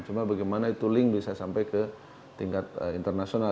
cuma bagaimana itu link bisa sampai ke tingkat internasional